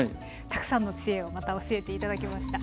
たくさんの知恵をまた教えて頂きました。